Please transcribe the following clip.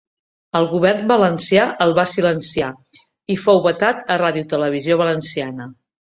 El govern valencià el va silenciar i fou vetat a Radiotelevisió Valenciana.